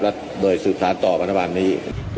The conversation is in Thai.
และโดยสืบสารต่อไประบาดนี้